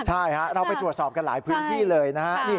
ใช่เราไปตรวจสอบกันหลายพื้นที่เลยนะฮะ